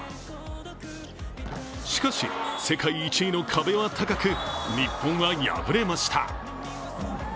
しかし、世界１位の壁は高く、日本は敗れました。